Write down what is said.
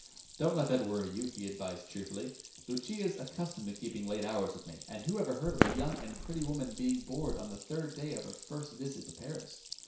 "Don't let that worry you," he advised cheerfully. "Lucia's accustomed to keeping late hours with me; and who ever heard of a young and pretty woman being bored on the third day of her first visit to Paris?"